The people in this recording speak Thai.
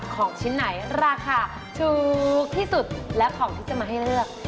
ของชิ้นไหนราคาถูกที่สุดและของที่จะมาให้เลือก